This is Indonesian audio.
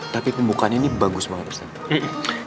tapi pembukaannya ini bagus banget